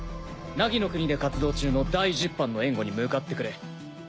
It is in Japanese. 凪の国で活動中の第十班の援護に向かってくれ。